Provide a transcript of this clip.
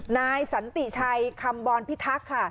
นายสันติชัยคำบรพิทักษ์ค่ะ